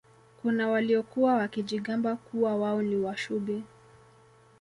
kuna waliokuwa wakijigamba kuwa wao ni Washubi